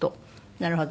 なるほど。